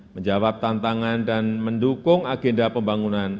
menjawab tantangan dan mendukung agenda pembangunan